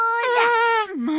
まあ。